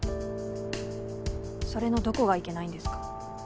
それのどこがいけないんですか。